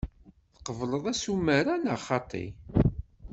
Tqebleḍ asumer-a neɣ xaṭi?